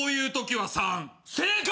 正解。